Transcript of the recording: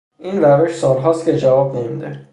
این روش سال هاست که جواب نمیده